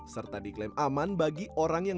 serta diklaim aman bagi orang yang